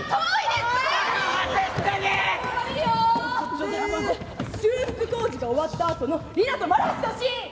で修復工事が終わったあとのリナと丸橋のシーン！